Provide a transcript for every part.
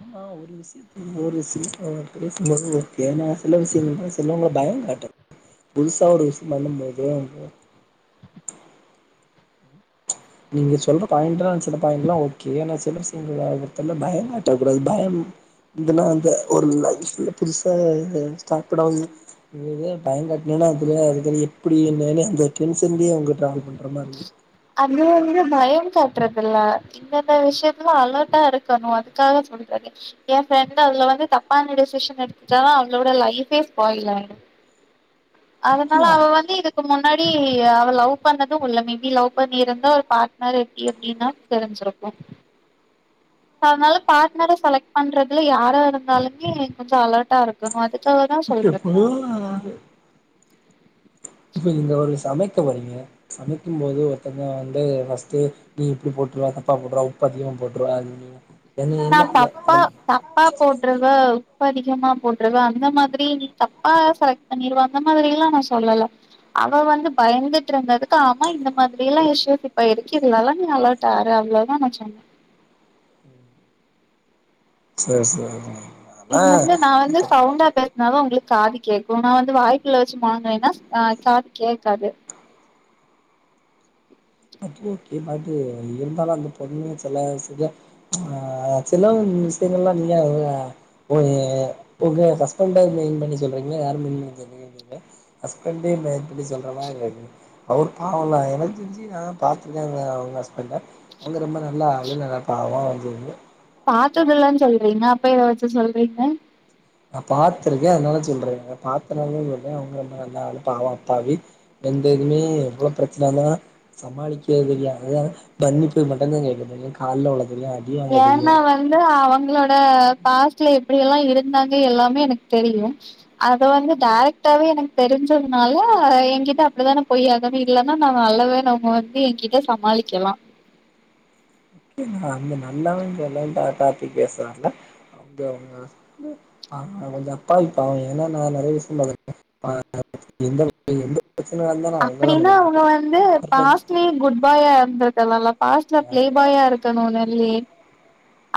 ஆமா ஒரு விஷயத்து ஒரு பேசும்பது ஓகேன்னா சில விஷயங்கள் செல்லவங்க பயம் காட்டுற புதுசா ஒரு விஷயம் பண்ணும்போதே அவங்க நீங்க சொல்ற பாயிண்ட் சில பாயி் எல்லாம் ஓகே ஆனா சில சங்கத்த பயம் காட்டக்க கூடாது பயம் இதுன்னா அ ஒரு லைஃப்ல புதுசா சாப்பிட [unintelligible] பயோங்காட்டினா அது அதுக்க எப்பிடி என்ன அந்தடென்ஸன்லே ட்ராவல் பண்ண பயமா இருக்கு அது வந்து பயங் காட்டறதில்ல இந்தந்த விஷயத்துல அலர்ட்டா இருக்கணு அதுக்காக சொல்றது என் ஃப்ரெண்டு அதுல வந்து தப்பான டெசிஷன் எடுத்துட்டானா அவளோட லைஃபே ஸ்பாயில் ஆய்டு அதனால அவ வந்து இதுக்கு முன்னாடி அவ லவ் பண்ணது உள்ள மேபி லவ் பண்ணிருந்தா ஒரு பார்ட்னர் எப்டி அப்டின்னா தெரிஞ்சிருக்கு அதனால பார்ட்னர செலக்ட் பண்றதுல யாரா இருந்தாலுமே கொஞ்ச அலர்ட்டா இருக்கணு அது இப்போ போனாலாது இப்ப நீங்க ஒரு சமைக் க்க வறீங்க சமைக்கும்போது ஒருத்தங்க வந்து ஃபர்ஸ்ட் நீ இப்டி போட்ருவ, தப்பா போட்ருவ, உப்பு அதிகமா போட்ருவ அது நீ நா தப்பா தப்பா போட்ருவே உப்பு அதிகமா போட்ருவ அந்த மாதிரி நீ தப்பா செலக்ட் பண்ணிருவ அந்த மாதிரி எல்லா நா சொல்லல அவ வந்து பயந்துட்டு இருந்ததுக்கு ஆமா இந்த மாதிரி எல்லா இஷ்யூ இப்ப இருக்கு இதுல எல்லா நீ அலாட்டா இரு அவ்ளோதா நா சொன்னே சேரி சேரி இது வந்து நா வந்து சவுண்டா பேசினாதா உங்களுக் காது கேக்கு நா வந்து வாய்க்குள்ள வச்சு மொனங்குனேன்னா ஆ காது கேக்காது ஓகே ஓகே பட் இருந்தாலு அந்த பொண்ணு சில விஷய ஆ சில விஷயங்கள்ல்லா நீங்க உங்க நீ உங்க ஹஸ்பண்ட மெயின் பண்ணி சொல்றீங்ளா யார மெயின் பண்ணி சொல்றீங்க ஹஸ்பண்டே மெயின் பண்ணி சொல்ற மாரி இருக்கு அவரு பாவோ இல்ல எனர்ஜிடி டினா பாத்துருக்கே உங்க உங்க ஹஸ்பண்ட அவங்க ரொம்ப நல்லா அவரே நல்லா பாவோ ரொம்ப பாத்ததில்லனு சொல்றீங்க அப்ப எத வச்சு சொல்றீங்க நா பாத்திருக்கே அதனால சொல்றே நா பாத்தனாலதா சொல்றே அவங்க அந்த நல்ல ஆளு பாவம் அப்பாவி எந்த எதுமே எவ்ளோ பிரச்சன வந்தாலு சமாளிக்க தெரியாது மன்னிப்பு மட்டும்தா கேக்க தெரியு கால்ல வுழ ஏன்னா வந்து அவங்களோட பாஸ்ட்ல எப்படி எல்லா இருந்தாங்க எல்லாமே எனக்கு தெரியு அத வந்து டேரக்டாவே எனக்கு தெரிஞ்சதுனால என்கிட்ட அப்டித்தான போய்யாகனு இல்லன்னா நா நல்லவனு அவுங்க வந்து என்கிட்ட சமாளிக்கிலா நா அந்த நல்லவனு சொல்ல டா டாப்பிக் பேச வரல அவங்க அவங்க அவங்க கொஞ்சோ அப்பாவி பாவோ ஏன்னா நா நறைய விஷயம் பாத்துருக்கே பா எந்த வந்து எந்த பிரச்சன நடந்தாலு அவங்கதா அப்டின்னா அவங்க வந்து பண்ணிக்குவாங்க பாஸ்ட்லயு குட் பாயா இருந்திருக்கலா இல்ல பாஸ்ட்ல பிளே பாயா இருக்கணுனு இல்லியே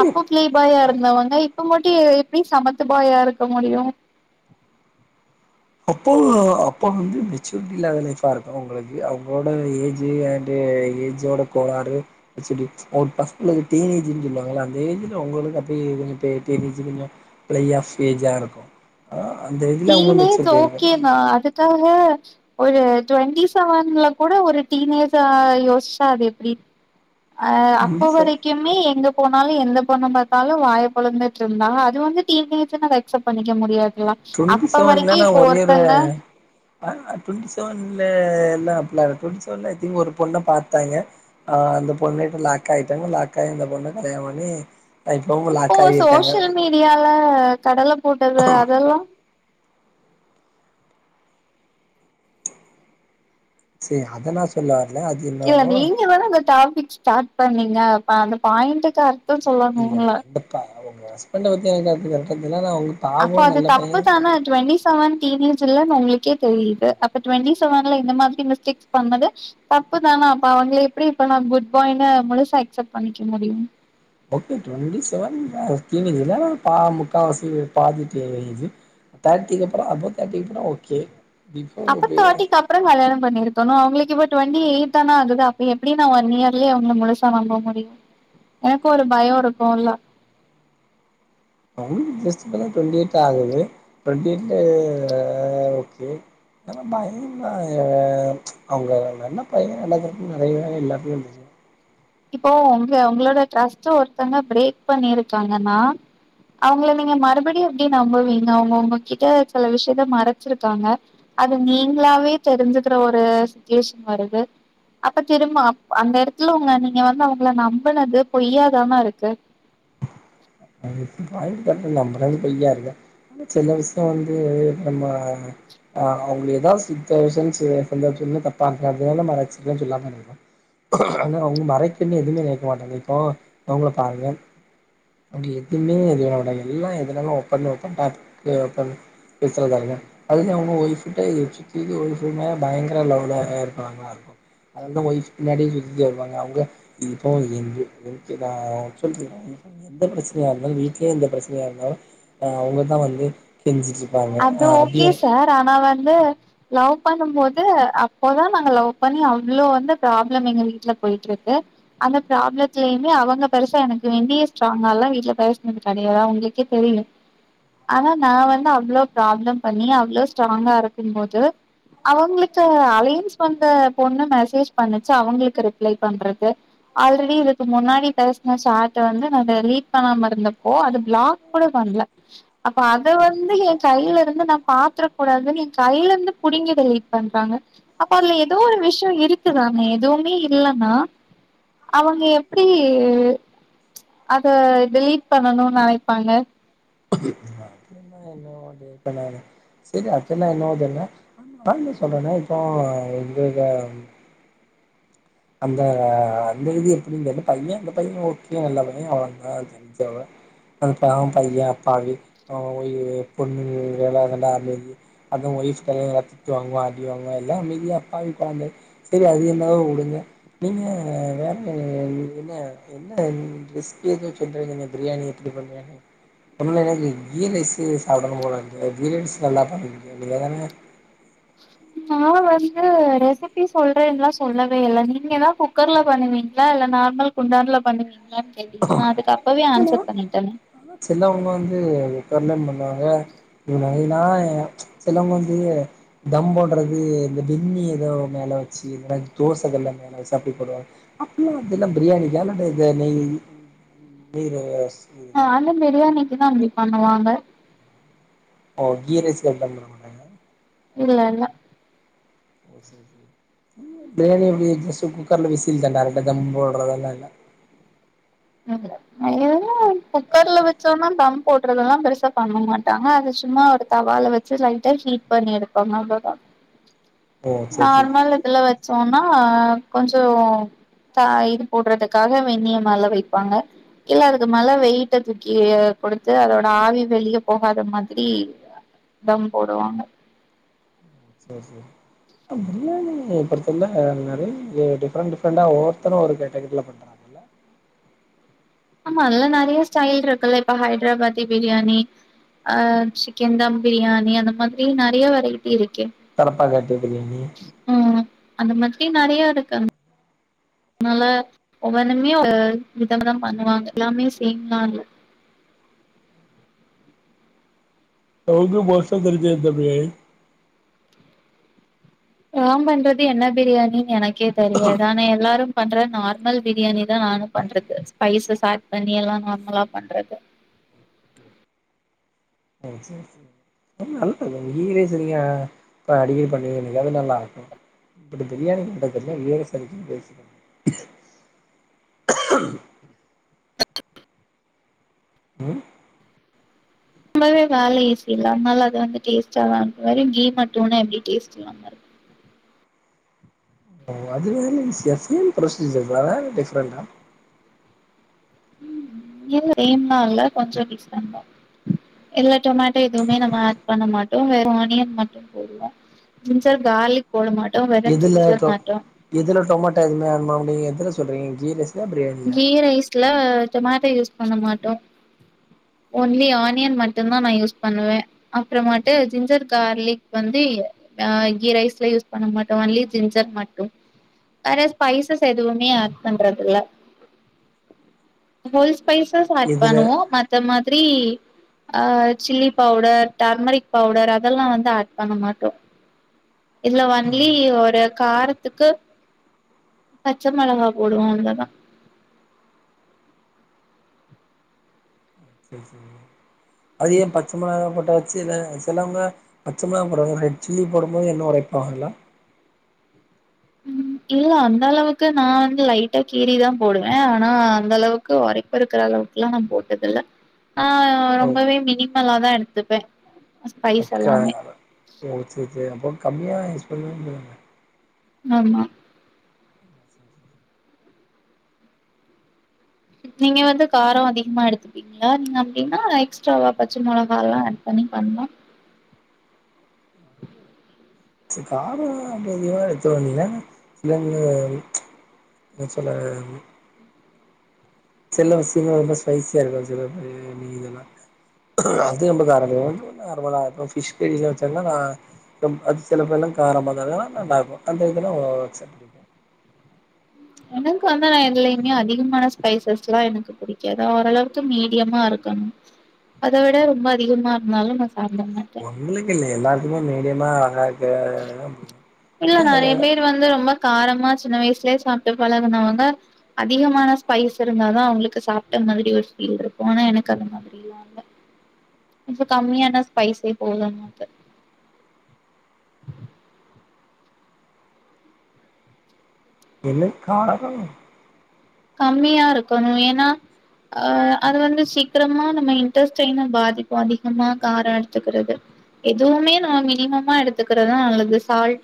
அப்போ க்ளே பாயா இருந்தவ்ங்க இப்ப மட்டி எப்டி சமத்து பாயா இருக்க முடியு அப்போ அப்போ வந்து மெச்சூரிட்டி இல்லாத லைஃபா இருக்கு அவங்களுக்கு அவங்களோட ஏஜ் அண்டு் ஏஜோட கோளாறு மெச்சூரிி பசங்களுக்கு டீன ஏஜன்னு சொல்லுவாங்கள அந்த ஏஜ்ல அவங்களுக்கு அப்பய டீனஜ் கொஞ்ச பிளே ஆஃப் ஏஜா இருக்கும்அ அந்த இதுல உங்கு மிச்ச ஓகேனா அதுக்காக ஒரு டொண்ட்டி செவன்ல கூட ஒரு டீன் ஏஜா யோசிச்சா அது எப்டி அ அப்ப டுவெண்ட்டி செவன் வரைக்குமே எங்க போனாலு எந்த பொண்ண பாத்தாலு வாய பொழுந்துட்டு இருந்தா அது வந்து [unintelligible] அக்சப்ட் பண்ணிக்க முடியாது [unintelligible] டுவெண்ட்டி அப்ப வரைக்கு செவன்லலா இப்ப ஒரே ஒரு ஒருத்தங்க ஆ டுவெண்டி செவன்ல எல்லா அப்டிலா இருக்கு சொன்ன ஐ திங்க் ஒரு பொண்ணை பாத்தங்க அந்த பொண்ணு கிட்ட லாக் ஆயிட்டாங்க லாக் ஆகி அந்த பொண்ண கல்யாணம் பண்ணி இப்பவு இப்போ லாக் ஆகியிருக்காங்க சோசியல் மீடியால கடல போட்டது அதெல்லா சீ அத நா சொல்ல வரல அது இல்ல என்னவோ நீங்க வேணா அந்த டாபிக் ஸ்டார்ட் இப்ப நீங்க அந்த பாயிண்ட்டுக்கு ப்ப சொல்லணுமில்ல அவுங்க ஹஸ்பண்ட பத்தி [unintelligible] பாவோ அப்போ அது நல்ல பைய தப்புதானா டுவெண்ட்டி செவன் டி எல்லாமே உங்களுக்கே தெரியுது அப்ப டுவெண்டி செவன்ல இந்த மாதிரி மிஸ்டேக்ஸ் பண்ணது தப்புதானா அப்ப அவங்கள எப்படி இப்ப நா குட் பாய் முழுசா அக்சப்ட் பண்ணிக்க முடியு ஓகே டுவெண்ட்டி செவன் அ நீங்க எதானா பா முக்கால்வாசி பாத்திட் தேர்டிக்கு தர்ட்டி அபௌ தேர்டிக்கு அப்றோ ஓகே அப்ப பிஃபோர் தேர்ட்டிக்கு அப்பறோ கல்யாணம் பண்ணிருக் அவங்களுக்கு இப்போ டுவெண்ட்டி எய்ட் தானா ஆகுது அப்ப எப்படின்னா ஒன் இயர்லயே அவங்கள முழுசா நம்ப முடியு எனக்கு ஒரு பயோ இருக்கும்ல்ல ஜஸ்ட் ட்வெண்டி எயிட் ஆகுது ட்வெண்டி எயிட்ல ஓகே நல்ல பைய தா அவங்க நல்ல பைய நடக்கறது நிறையவே எல்லாத்தையு இப்போ உங்க அவங்களோட டிரஸ்ட்ட ஒருத்தங்க பிரேக் பண்ணிருக்காங்கன்னா அவங்கள நீங்க மறுபடியு எப்டி நம்புவீங்க அவங்க உங்க கிட்ட சில விஷயத்த மறைச்சிருக்காங்க அது நீங்களாவே தெரிஞ்சுக்கற ஒரு சிச்சுவேஷன் வருது அப்ப திரும்ப அந்த எடத்துலே நீங்க நீங்க வந்து அவங்களளை நம்புனது பொய்யாதானான் இருக்கு இ பாயிண்ட் க நம்மந்து பொய்யா இருக்க ஆனா சில விஷயம் வந்து இப்ப நம்ம ஆஹ் அப்டி ஏதாவது சத்த விஷயம்னுந்த தப்பா இருக்க அதனால மறைச்சிருக்கேன்னு சொல்லாம இருக்கோ ஆனா அவங்க மறைக்கன்னு எதுவுமே நெனைக்க மாட்டேங்கைக்கோ இப்போ அவங்கள பாருங்க அவங்க எதுவுமே ஒளிக்க மாட்டாங்க எல்லா எதுனாலும ஒப்பன் ஒப்பன் வத்துறதாருங்க அது அவங்க ஒய்ஃப்ட்ட இது சுற்றி ஒய்ஃப் மேல பயங்கரமா லவ்ல இருக்கிறவங்களாருக்கு அதாவது அவங்க ஒய்ஃப் பின்னாடியே சுத்திட்டு வருவாங்க அவங்க இப்போ எங்க எ சொல்ல எந்த பிரச்சனையா இருந்தாலு வீட்லேயே எந்த பிரச்சனையா இருந்தாலு அஹ் அவங்க தான வந்து கெஞ்சிட்டு இருக் அது ஓகே சார் ஆனா வந்து லவ் பண்ணும் போது அப்போதா நாங்க லவ் பண்ணி அவ்வளோ வந்து ப்ராப்ளம் எங்க வீட்டுல போயிட்ருக்கு அந்த ப்ராப்ளத்தலயுமே அவங்க பெருசா எனக்கு வேண்டிய ஸ்ட்ராங்கால்லா வீட்டுல பேசுனது கெடையாது உங்களுக்கே தெரியு ஆனா நா வந்து ப்ரோப்லம் பண்ணி அவ்ளோ ஸ்டராங்கா இருக்கும் போது அவங்களுக்கு அலையன்ஸ் வந்த பொண்ணு மெசேஜ் பண்ணச்சு அவங்களுக்கு ரிப்ளை பண்றது ஆல்ரெடி இதுக்கு முன்னாடி பேசுன ஷாட் வந்து ந ரீட் பண்ணாம இருந்தப்போ அதை பிளாக் கூட பண்ணல அப்ப அத வந்து எங் கையில இருந்து நா பாத்திரக் கூடாதுன்னு ஏ கையில இருந்து பிடிங்கி டெலீட் பண்றாங்க அப்போ அதுல ஏதோ ஒரு விஷயம் இருக்குதானே எதுவுமே இல்லைன்னா அவங்க எப்படி அத டெலீட் பண்ணணும்னுன நினைப்பாங்க [unintelligible] சரி அதல்லா என்னாதுனா நாந்தா சொல்றனா இப்போ எங்க அந்த அந்த இதி எப்படினு தெரியல பைய அந்த பையன் ஓகே நல்ல பைய அவள தா தெஞ்சவ அதுப்ப அவன் பையன் அப்பாவி அவ் ஓ பொண்ணு வேலைல அதி அதா ஒய்ஃப்ம் எல்லா திட்டு வாங்குவோ அடிவாங்கு எல்லா அமைதி அப்பாவி கொழந்த சரி அது என்னாவோ வுடுங்க நீங்க வேற என்னா என்னா ரெசிபி ஏதோ சொல்றிங்க பிரியாணி எப்படி பண்ண உல்ல எனக்கு கீரைஸ்சு சாப்படணு போலா இருக்கு கீரைஸ்சு நல்லா பண்ண [unintelligible] நான் வந்து ரெசிபி சொல்றேன்னெல்லா சொல்லவே இல்ல நீங்கதா குக்கர்ல பண்ணுவீங்களா இல்ல நார்மல் குண்டான்ல பண்ணுவீங்களா ஹலோ செல்லவங்க வந்து தெரயலேம்மா சொல்லுவாங்க ஏன்னா செலவங்க வந்து தம் போடுறது இந்த பண்ணி ஏதோ மேலே வச்சு தோசை கல்லெலா மேல வச்சு அப்படி போடுவாங்க அப்பல்லா அதெல்லா பிரியாணிக்கா அல்ல இந்த நெய் நீ ரோஸ் ஆஹ் அந்த பிரியாணி க்குதா அப்டி பண்ணுவாங்க ஓ கீரைஸ்க்கு அப்டி பண்ணமட்டாங்க இல்ல இல்ல [unintelligible] எப்டி ஜஸ் குக்கரல விசில்ண்ட ஜம் பவுடர் அதெல்லா இல்ல [unintelligible] ஏண்ணோ குக்கர்ல வெச்சோம்னா பம் போடுறதெ எல்லா பெருசா பண்ண மாட்டாங்க அது சும்மா ஒரு தவால வச்சு லைட்டா ஹீட் பண்ணி எடுப்பாங்க அவ்வளோதா ஓ சேரி நார்மல் இதுல வச்சோனா ஆ கொஞ்ச த இது போடுறதுக்காக வெண்ணய மேல வை ப்பாங்க இல்ல அதுக்கு மேல வெயிட்ட தூக்கி கொடுத்து அதோட ஆவி வெளியே போகாத மாதிரி தம் போடுவாங்க செரி செரி பிரியாணி பொருத்தல நிரைய டிஃரெண்ட் டிஃப்ரொண்டா ஒவ்வொருத்தரு ஒரு கேட்டகிரில பண்றாங்கல்ல ஆமா அதல்லா நெறைய ஸ்டைல் இருக்குல்ல இப்ப ஹைதராபாதி பிரியாணி ஆஹ் சிக்கன் தாம் பிரியாணி அந்த மாதிரி நெறைய வெரைட்டி இருக் தலப்பா கட்டு பிரியாணி ம் அந்த மாதிரி நெறைய இருக்குங நல்லா ஒவ்வென்னுமே விதம்த பண்ணுவாங்க எல்லாமே சேம்லா இல்ல தொறந்து பாத்த தெரி யும் தம்பி அம் பண்றது என்ன பிரியாணின்னு எனக்கு கே தெரியாது ஆனா எல்லாரும் பண்ற நார்மல் பிரியாணி தா நானும் பண்றது ஸ்பைசஸ் ஆட் பண்ணி எல்லாம் நார்மலா பண்றது செரி செரி லீவ் டேஸ் லா அடிக்கடி பண்ணுவ நீங்க அது நல்லா ஆக்கும் பட் பிரியாணி பண்ண தெரியல [unintelligible] உஹம் ரொம்பவே வேலை ஈசி இல்ல அதனால அது வந்து டேஸ்ட்டான் இரு வேரும் கீ மட்டும்னா எப்படி டேஸ்ட் ஓ அதுமே ஷேம் புரோசிடியர் தானே டிஃபிரென்ட் டா ம் இல்ல சேம்லா இல்ல கொஞ்சம் டிஃபெரெனெட் தா இதுல டொமேட்டோ எதுவுமே நம்ம ஆட் பண்ண மாட்டோம் வேறும் ஆனியன் மட்டும் போடுவன் ஜிஞ்சர் கார்லிக் போட மாட்டோ வெறு எதுல ஜிஞ்சர் டொ மட்டு எதுல டொமேட்டா எதுவுமே ஆட் பன்னமாடிங்க எதுனா சொல்றீங்க கீரைஸ் கீ ரைஸ்ல டொமாட்டா யூஸ் பண்ண மாட்டோம் ஓன்லி ஆனியன் மட்டும் தா நா யூஸ் பண்ணுவேன் அப்புறமேட்டு ஜின்சர் கார்லிக் வந்து ஹா கீ ரைஸ்ல யூஸ் பண்ண மாட்டோம் ஒன்லி ஜின்ஜர் மட்டும் வேற ஸ்பைசஸ் எதுவுமே அட் பண்றது இல்ல ஹோல் ஸ்பைசஸ் ஆட் எதுல பண்ணுவோம் மத்த மாதிரி ஆஹ் சில்லி பவுடர் டர்மரிக் பவுடர் அதெல்லாம் வந்து ஆட் பண்ண மாட்டோம் இதுல ஒன்லி ஒரு காரத்துக்கு பச்ச மிளகா போடுவோம் அவ்ளோதா சரி சரி அது ஏன் பச்ச மோளகா போட்ட சில சிலவங்க பச்ச மிளாகா போடறாங்க ரெட் சில்லி போடும் போது என்ன உழப்பாங்கல்லா உம் இல்ல அந்த அளவுக்கு நா வந்து லைட்டா கீறிதா போடுவேன் ஆனா அந்த அளவுக்கு உரைப்பு இருக்கிற அளவுக்குலாம் நா போட்டதுல்ல ஆஹ் ஓ ரொம்பவே மினி நல்லாதா எடுத்துப்பே ஸ்பைஸ் ஒக்கா எல்லாமே ஒ சேரி சேரி அப்ரம் கம்பியா [inaudible] ஆமா நீங்க வந்து காரம் அதிகமா எடுத்துப்பீங்களா நீங்க அப்படின்னா எக்ஸ்ட்ராவா பச்ச மிளகாய்லாம் ஆட் பண்ணி பண்ணலாம் சேரி காரம் அப்படி அதிகமா எடுத்து வங்கள சிலவங்க என்ன சொல்ல சில சில இது ஸ்பைசியா இருக்கும் சில நீ இதெல்லாம் அது ரொம்பக்காரதாம் நார்மலா பிஷ் கரிலாம் வச்சாங்கன்னா நா அது சில பே எல்லாம் காரமா வந்தா நல்லா இருக்கும் அந்த இல்லாம் எனக்கு வந்து நா எதுலயுமே அதிகமான ஸ்பைசஸ் எல்லாம் எனக்கு பிடிக்காது ஓரளவுக்கு மீடியமா இருக்கணும் அத விட ரொம்ப அதிகமா இருந்தாலும் நான் உங்களுக்கு இல்ல எல்லாருக்குமே மீடியமா அழக்க இல்ல வே நெறைய பேர் வந்து ரொம்ப காரமா சின்ன வயசுலே சாப்பி பழகுனவங்க அதிகமான ஸ்பைஸ் இருந்தாதா அவங்களுக்கு சாப்பிட்ட மாதிரி ஒரு ஃபீல் இருக்கும் ஆனா எனக்கு அந்த மாதிரி எல்லாம் இல்ல இப்ப கம்மியான ஸ்பைஸே போதும் நமக்கு என்ன காரமா கம்மியா இருக்கணும் ஏன்னா அஹ் அது வந்து சீக்கிரமா நம்ம இன்டெஸ்டின் பாதிப்பு அதிகமா காரம் எடுத்துக்கிறது எதுவுமே நம்ம மினிமமா எடுத்துக்கறதா நல்லது சால்ட்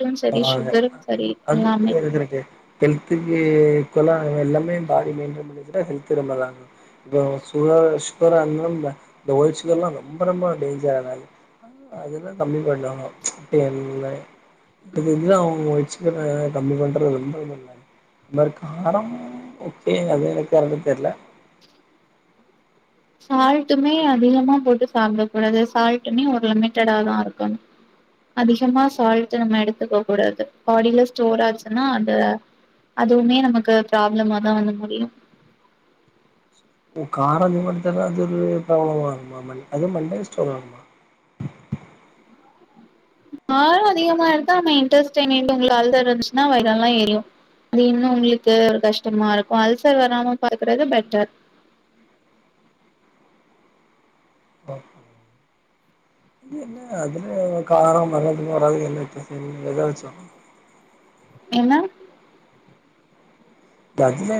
அத அது அது எதுக்கு கெல்த்துக்கு ஈக்குல எல்லாமே பாடி மெய்ன்டன் பண்ணிகிட்டா ஹெல்த் ரொம்ப இருக்கு இப்ப சுகர் சுகர்ந்த ஓய்ட்டு சுகர் எல்லாம் ரொம்ப ரொம்ப டேஞ்சர் அதல்லாம் கம்மி பண்ணப்பா அ இது அவ வச்சுக்க கம்மி பண்றது ரொம்ப இந்த மாதிரி காரம் ஓகே அது எனக்கு தெர்ல சால்ட்டுமே அதிகமா போட்டு சாப்பிட கூடாது சால்ட்டுமே ஒரு லிமிட்டடாதான் இருக்கும் அதிகமா சால்ட் நம்ம எடுத்துக்க கூடாது பாடில ஸ்டோர் ஆச்சுன்னா அந்த அதுவுமே நமக்கு ப்ராப்ளமாதான் வந்து முடியும் ஓ காரம் அது ஒரு ப்ராப்ளம் ஆகுமா மண் அதுவும் மண்டே ஸ்டோர் ஆகுமா காரம் அதிகமா எடுத்தா நம்ம மெயின்டர் ஸ்டைன் உங்க அல்த இருந்துச்சுன்னா வயரல்லாம் ஏரியும் அது இன்னும் உங்களுக்கு ஒரு கஷ்டமா இருக்கும் அல்சர் வராம பாக்குறது பெட்டர் இ அதுல காரம் நல்லது வராது என்ன வித்தியாசம் எத வச்சு என்ன ததுல